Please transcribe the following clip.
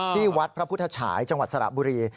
ที่วัดพระพุทธฉายจังหวัดสระบุรี